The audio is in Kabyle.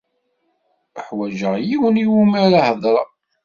Uḥwaǧeɣ yiwen i wumi ara heḍṛeɣ.